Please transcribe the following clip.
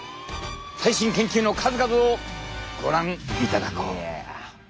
最新研究の数々をご覧いただこう。